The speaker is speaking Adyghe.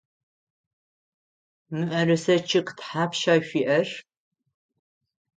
Мыӏэрысэ чъыг тхьапша шъуиӏэр?